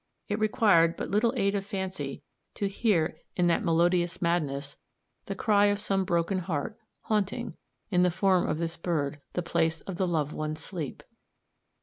It required but little aid of fancy to hear in that "melodious madness" the cry of some broken heart, haunting, in the form of this bird, the place of the loved one's sleep.